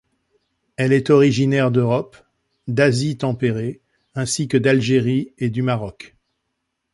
Elle est originaire d'Europe, d'Asie tempérée ainsi que d'Algérie et du Maroc.